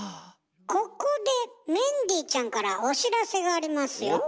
ここでメンディーちゃんからお知らせがありますよ。